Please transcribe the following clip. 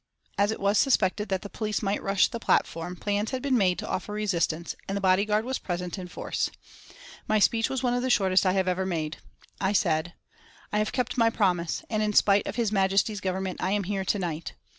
As it was suspected that the police might rush the platform, plans had been made to offer resistance, and the bodyguard was present in force. My speech was one of the shortest I have ever made. I said: "I have kept my promise, and in spite of His Majesty's Government I am here to night.